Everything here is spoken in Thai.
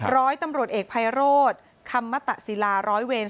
ร้อยตำรวจเอกภัยโรธคำมตะศิลาร้อยเวร